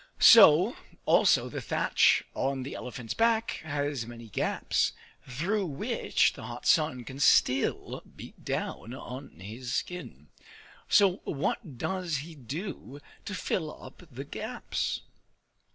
So also the thatch on the elephant's back has many gaps, through which the hot sun can still beat down on his skin. So what does he do to fill up the gaps?